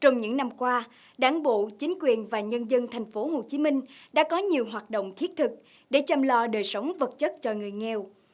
trong những năm qua đáng bộ chính quyền và nhân dân thành phố hồ chí minh đã có nhiều hoạt động thiết thực để chăm lo đời sống vật chất cho người nghèo